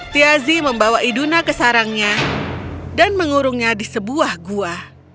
tiazi membawa iduna ke sarangnya dan mengurungnya di sebuah gua